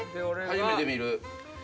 初めて見る。